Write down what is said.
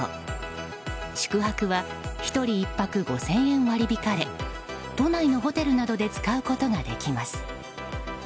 宿泊は１人１泊５０００円割り引かれ都内のホテルなどで使うことができます。